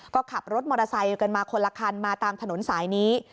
ก็ขับรถมอเตอร์ไซค์กันมาคนละคันมาตามถนนสายนี้